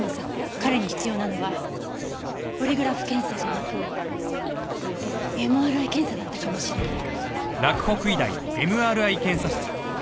彼に必要なのはポリグラフ検査じゃなくＭＲＩ検査だったかもしれない。